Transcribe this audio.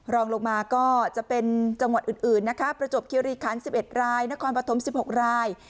รองลงมาก็จะเป็นจังหวัดอื่นนะคะประจวบคิริคัน๑๑รายนครปฐม๑๖ราย